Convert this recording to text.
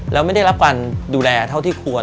แล้วไม่ได้รับการดูแลเท่าที่ควร